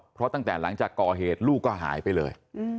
เพราะตั้งแต่หลังจากก่อเหตุลูกก็หายไปเลย